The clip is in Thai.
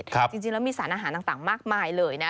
จริงแล้วมีสารอาหารต่างมากมายเลยนะ